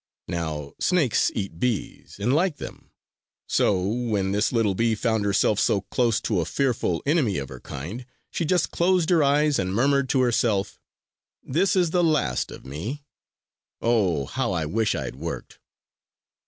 Now, snakes eat bees, and like them. So when this little bee found herself so close to a fearful enemy of her kind, she just closed her eyes and murmured to herself: "This is the last of me! Oh, how I wish I had worked!"